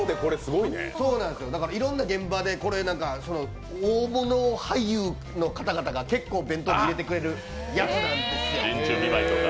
いろんな現場で大物俳優の方々が結構、弁当で入れてくれるやつなんですよ。